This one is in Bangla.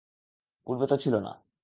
পূর্বে তো ছিল না।